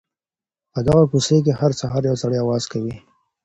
په دغه کوڅې کي هر سهار یو سړی اواز کوي.